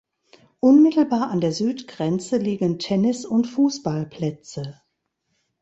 Unmittelbar an der Südgrenze liegen Tennis- und Fußballplätze.